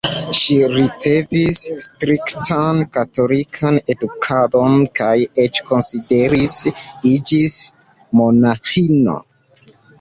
Ŝi ricevis striktan katolikan edukadon kaj eĉ konsideris iĝis monaĥino.